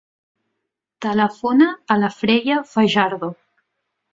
Telefona a la Freya Fajardo.